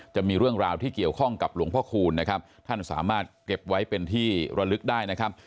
จะมีเรื่องราวที่เกี่ยวข้องกับหลวงพ่อคูณนะครับท่านสามารถเก็บไว้เป็นที่ระลึกได้นะครับ